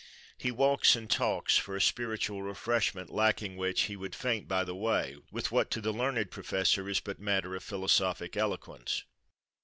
He walks and talks, for a spiritual refreshment lacking which he would faint by the way, with what to the learned professor is but matter of philosophic eloquence.